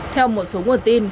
theo một số nguồn tin